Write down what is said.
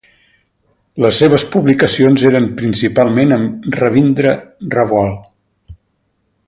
Les seves publicacions eren principalment amb Ravindra Rawal.